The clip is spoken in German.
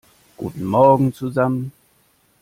Guten Morgen zusammen!